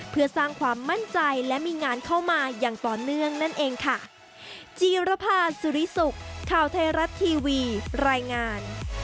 เพื่อสร้างความมั่นใจและมีงานเข้ามาอย่างต่อเนื่องนั่นเองค่ะ